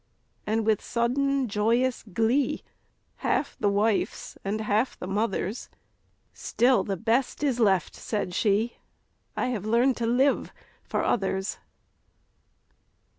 And with sudden, joyous glee, Half the wife's and half the mother's, "Still the best is left," said she: "I have learned to live for others."